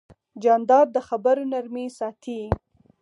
جانداد د خبرو نرمي ساتي.